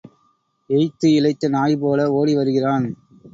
Eighth இளைத்த நாய் போல ஓடி வருகிறான்.